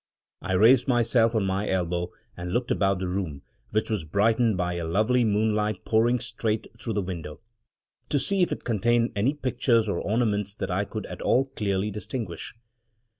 I raised myself on my elbow, and looked about the room — which was brightened by a lovely moonlight pouring straight through the window — to see if it contained any pictures or ornaments that I could at all clearly distinguish.